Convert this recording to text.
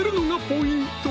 ポイント